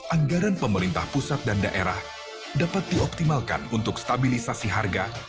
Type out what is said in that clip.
anggaran pemerintah pusat dan daerah dapat dioptimalkan untuk stabilisasi harga